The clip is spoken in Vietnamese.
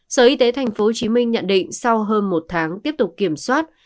sở y tế thành phố hồ chí minh nhận định sau hơn một tháng tiếp tục kiểm soát